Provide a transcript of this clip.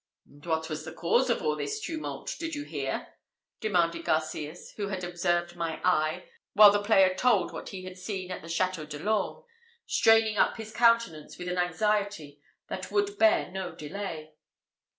"And what was the cause of all this tumult? Did you hear?" demanded Garcias, who had observed my eye, while the player told what he had seen at the Château de l'Orme, straining up his countenance with an anxiety that would bear no delay.